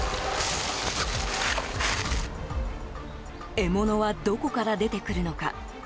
獲物はどこから出てくるのか。